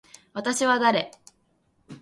私は誰。